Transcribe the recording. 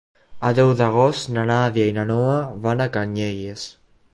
El deu d'agost na Nàdia i na Noa van a Canyelles.